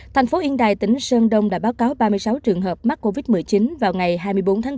thành phố yên đài tỉnh sơn đông đã báo cáo ba mươi sáu trường hợp mắc covid một mươi chín vào ngày hai mươi bốn tháng bốn